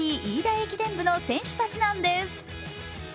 駅伝部の選手たちなんです。